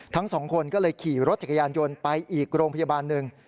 ทั้งสองคนก็เลยขี่รถจักรยานยนต์ไปอีกโรงพยาบาลหนึ่ง